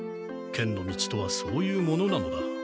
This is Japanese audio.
剣の道とはそういうものなのだ。